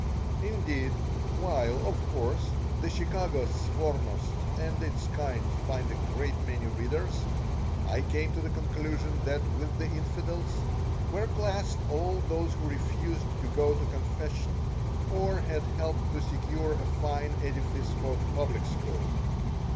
Indeed, while, of course, the Chicago Svornost and its kind find a great many readers, I came to the conclusion that with the infidels were classed all those who refused to go to confession, or had helped to secure a fine edifice for the public school.